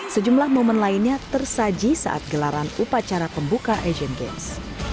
sejumlah momen lainnya tersaji saat gelaran upacara pembuka asian games